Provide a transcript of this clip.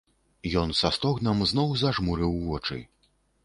Ён са стогнам зноў зажмурыў вочы.